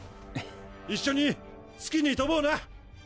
一緒に好きに飛ぼうな！